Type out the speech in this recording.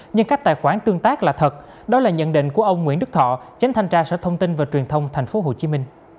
nhưng các tài khoản tương tác là thật đó là nhận định của ông nguyễn đức thọ tránh thanh tra sở thông tin và truyền thông tp hcm